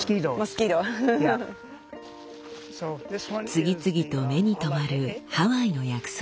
次々と目に留まるハワイの薬草。